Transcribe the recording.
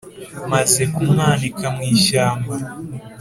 maze kumwanika mu ishyamba